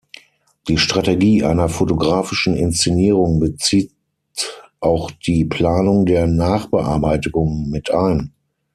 Die Strategie einer fotografischen Inszenierung bezieht auch die Planung der Nachbearbeitung mit ein.